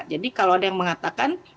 jadi kalau ada yang mengatakan